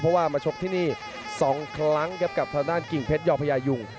เพราะว่ามาชกที่นี่๒ครั้งครับกับทางด้านกิ่งเพชรยอพญายุง